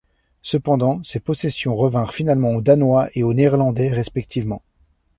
Cependant, ces possessions revinrent finalement aux Danois et aux Néerlandais respectivement.